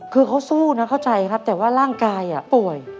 คือเขาสู้นะเข้าใจครับแต่ว่าร่างกายป่วย